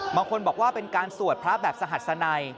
บางคนบอกว่าเป็นการสวดพระแบบสหัสนัย